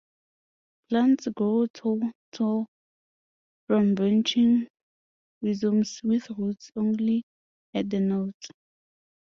Plants grow tall tall from branching rhizomes with roots only at the nodes.